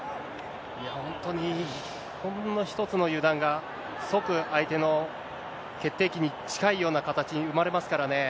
本当に、ほんの一つの油断が、即相手の決定機に近いような形、生まれますからね。